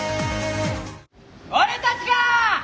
俺たちが！